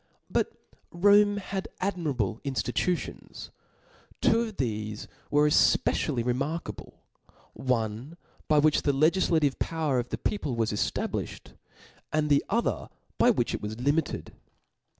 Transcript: But Rome had admirable inftitutions. Two of thefe were efpecially re markable; one by which the Icgiflative power of the people was eftablifticd, and the other by which it was limited.